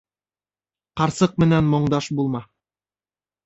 Ҡарсыҡ менән моңдаш булма